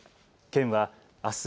県はあす